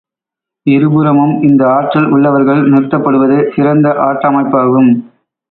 இருபுறமும் இந்த ஆற்றல் உள்ளவர்கள் நிறுத்தப்படுவது சிறந்த ஆட்ட அமைப்பாகும்.